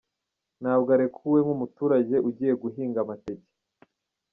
ntabwo arekuwe nk’umuturage ugiye guhinga amateke.